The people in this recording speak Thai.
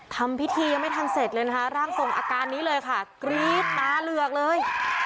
ทำพิธียังไม่ทันเสร็จเลยนะคะร่างทรงอาการนี้เลยค่ะกรี๊ดตาเหลือกเลย